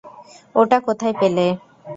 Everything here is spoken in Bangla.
ওটা কোথায় পেলে?